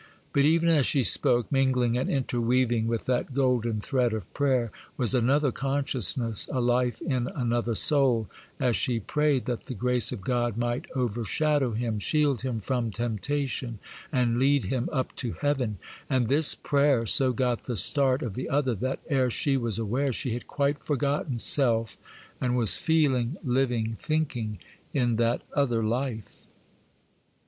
But even as she spoke, mingling and interweaving with that golden thread of prayer was another consciousness, a life in another soul, as she prayed that the grace of God might overshadow him, shield him from temptation, and lead him up to heaven; and this prayer so got the start of the other, that, ere she was aware, she had quite forgotten self, and was feeling, living, thinking in that other life.